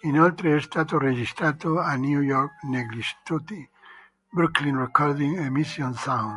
Inoltre è stato registrato a New York negli studi Brooklyn Recording e Mission Sound.